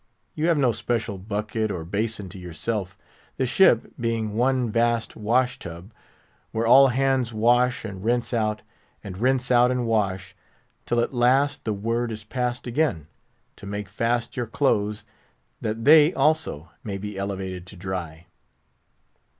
You have no special bucket or basin to yourself—the ship being one vast wash tub, where all hands wash and rinse out, and rinse out and wash, till at last the word is passed again, to make fast your clothes, that they, also, may be elevated to dry.